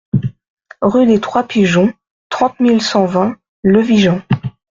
Rue des Trois Pigeons, trente mille cent vingt Le Vigan